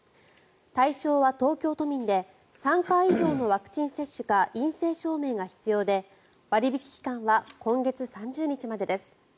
対象は東京都民で３回以上のワクチン接種か陰性証明が必要で割引期間は今月３０日までです。